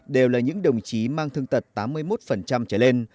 đều là những đồng chí mang thương tật tám mươi một trở lên